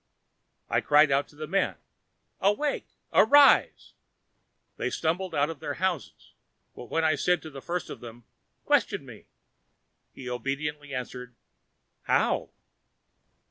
I cried out to the men: "Awake! Arise!" They stumbled out of their houses, but when I said to the first of them: "Question me!" he obediently answered: "How?"